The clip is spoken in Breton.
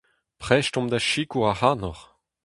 Prest omp da sikour ac'hanoc'h !